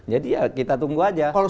jadi ya kita tunggu saja